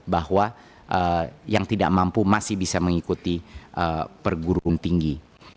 bahwa yang tidak mampu masih bisa mengikuti perguruan tinggi